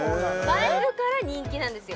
映えるから人気なんですよ